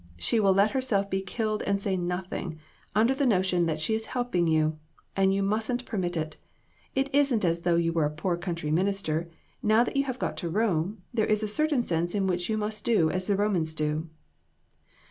She will let herself be killed and say nothing, under the notion that she is help ing you, and you just mustn't permit it. It isn't as though you were a poor country minister; now that you have got to Rome, there is a certain sense in which you must do as the Romans do."